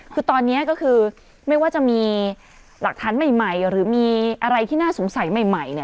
คือตอนนี้ก็คือไม่ว่าจะมีหลักฐานใหม่หรือมีอะไรที่น่าสงสัยใหม่เนี่ย